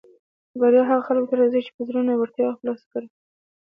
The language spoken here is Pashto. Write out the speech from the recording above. بریا هغه خلکو ته راځي چې په زړۀ ورتیا سره خپله هڅه کوي.